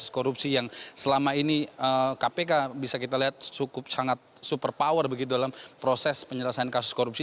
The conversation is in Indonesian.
kasus korupsi yang selama ini kpk bisa kita lihat cukup sangat super power begitu dalam proses penyelesaian kasus korupsi